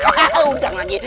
hahaha udang lagi